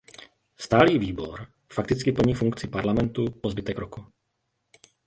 Stálý výbor fakticky plní funkci parlamentu po zbytek roku.